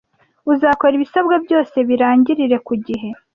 uzakora ibisabwa byose birangirire kugihe